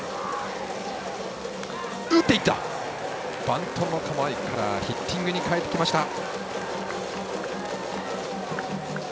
バントの構えからヒッティングに変えてきた。